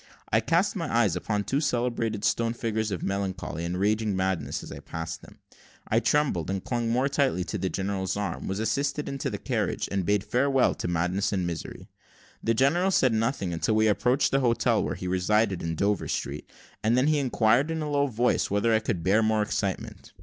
I cast my eyes upon the two celebrated stone figures of Melancholy and Raving Madness; as I passed them, I trembled, and clung more tightly to the general's arm, was assisted into the carriage, and bade farewell to madness and misery. The general said nothing until we approached the hotel where he resided, in Dover Street; and then he inquired, in a low voice, whether I could bear more excitement.